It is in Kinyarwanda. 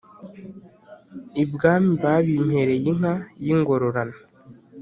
ibwami babimpereye inka y’ingororano